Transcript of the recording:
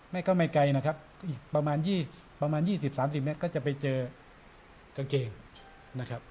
ไม่ก็ไม่ไกลนะครับอีกประมาณยี่สิบประมาณยี่สิบสามสิบเนี้ยก็จะไปเจอกางเกงนะครับ